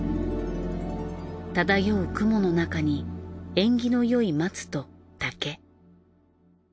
漂う雲の中に縁起のよい松と竹。